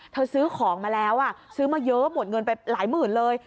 ซื้อของมาแล้วซื้อมาเยอะหมดเงินไปหลายหมื่นเลย